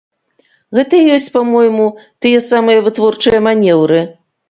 Гэта і ёсць, па-мойму, тыя самыя вытворчыя манеўры.